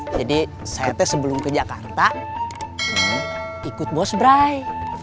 jadi saya tes sebelum ke jakarta ikut bos brai